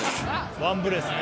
ワンブレスね。